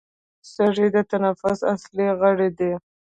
سږي د تنفس اصلي غړي دي